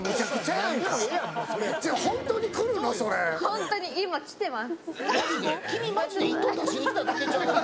ホントに、今きてます！